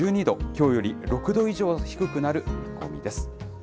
きょうより６度以上低くなる見込みです。